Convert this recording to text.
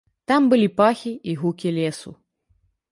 Там былі пахі і гукі лесу.